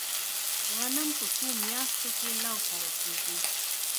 غنم په څو میاشتو کې لو ته رسیږي؟